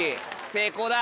成功だ。